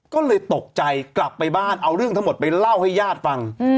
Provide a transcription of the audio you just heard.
ก็เลยตกใจกลับไปบ้านเอาเรื่องทั้งหมดไปเล่าให้ญาติฟัง